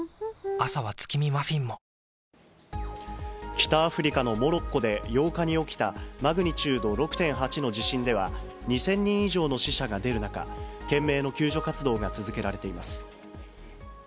北アフリカのモロッコで８日に起きたマグニチュード６．８の地震では、２０００人以上の死者が出る中、懸命の救助活動が続けられています。